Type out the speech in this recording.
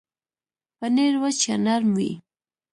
پنېر وچ یا نرم وي.